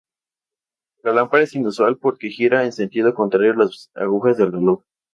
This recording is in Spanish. La lámpara es inusual porque gira en sentido contrario a las agujas del reloj.